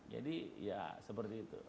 jadi ya seperti itu